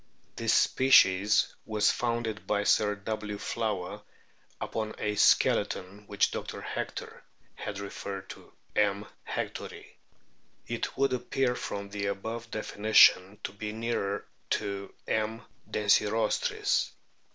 This species was founded by Sir W. Flower upon a skeleton which Dr. Hector had referred to M. hectori. It would appear from the above definition to be nearer to M. densirostris.